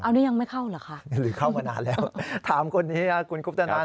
อันนี้ยังไม่เข้าเหรอคะหรือเข้ามานานแล้วถามคนนี้คุณคุปตนัน